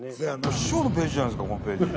師匠のページじゃないですかこのページ。